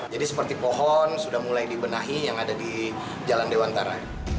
jadi seperti pohon sudah mulai dibenahi yang ada di jalan dewantara